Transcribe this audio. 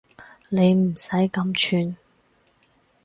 你唔使咁串